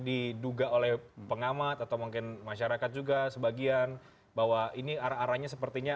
di duga oleh pengamat atau mungkin masyarakat juga sebagian bahwa ini armornya sepertinya